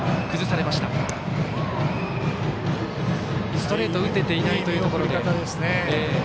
ストレートを打てていないというところで。